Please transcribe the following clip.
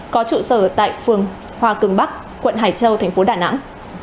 có trụ sở tại phường hòa cường bắc quận hải châu thành phố đà nẵng